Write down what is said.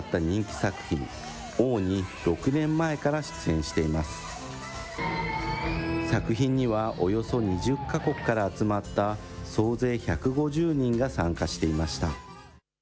作品にはおよそ２０か国から集まった総勢１５０人が参加していました。